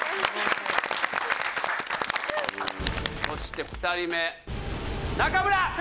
そして２人目中村！